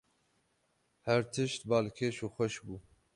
Her tişt balkêş û xweş bû.